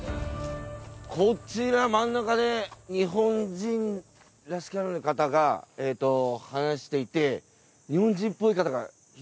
こちら真ん中で日本人らしからぬ方が話していて日本人っぽい方がひざまずいてます。